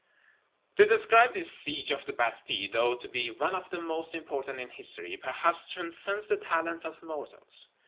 To describe this Siege of the Bastille (thought to be one of the most important in History) perhaps transcends the talent of mortals.